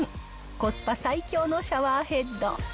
コスパ最強のシャワーヘッド。